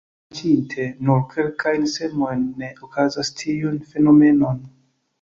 Dismaĉinte nur kelkajn semojn ne okazas tiun fenomenon.